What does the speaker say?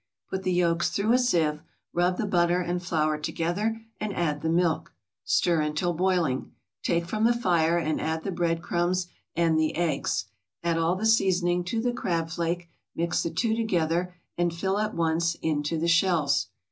Put the yolks through a sieve. Rub the butter and flour together, and add the milk; stir until boiling, take from the fire, and add the bread crumbs and the eggs. Add all the seasoning to the crab flake, mix the two together, and fill at once into the shells.